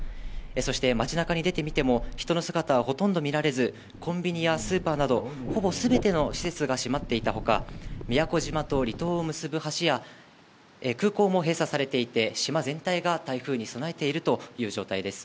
そして街なかに出てみても、人の姿はほとんど見られず、コンビニやスーパーなど、ほぼすべての施設が閉まっていたほか、宮古島と離島を結ぶ橋や空港も閉鎖されていて、島全体が台風に備えているという状態です。